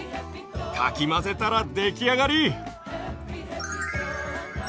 かき混ぜたら出来上がり！